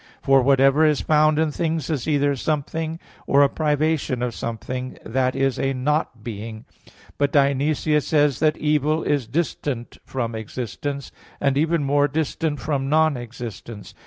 For whatever is found in things, is either something, or a privation of something, that is a "not being." But Dionysius says (Div. Nom. iv) that "evil is distant from existence, and even more distant from non existence."